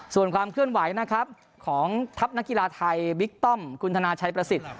ส่วนความเคลื่อนไหวนะครับของทัพนักกีฬาไทยบิ๊กป้อมคุณธนาชัยประสิทธิ์